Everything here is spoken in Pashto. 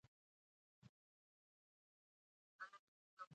که څه هم د اوبو لګونې سیستم بهتروالی شواهد شته